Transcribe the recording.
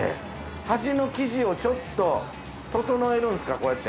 端の生地をちょっと整えるんすかこうやって。